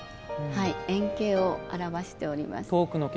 遠景を表しております。